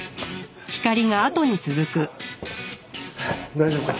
大丈夫か？